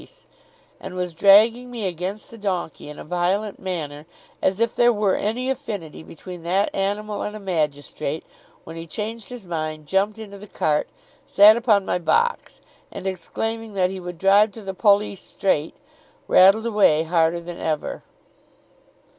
and was dragging me against the donkey in a violent manner, as if there were any affinity between that animal and a magistrate, when he changed his mind, jumped into the cart, sat upon my box, and, exclaiming that he would drive to the pollis straight, rattled away harder than ever.